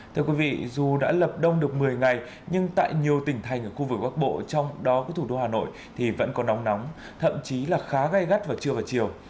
thưa quý vị dù đã lập đông được một mươi ngày nhưng tại nhiều tỉnh thành ở khu vực bắc bộ trong đó có thủ đô hà nội thì vẫn có nắng nóng thậm chí là khá gai gắt vào trưa và chiều